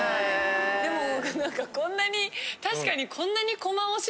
でもなんかこんなに確かに。